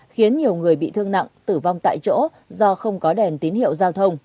khiến nhiều người bị thương nặng tử vong tại chỗ do không có đèn tín hiệu giao thông